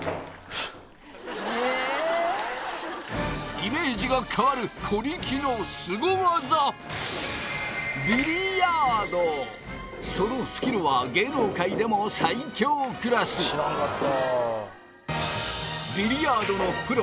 イメージが変わる小力のすご技そのスキルは芸能界でも最強クラスビリヤードのプロ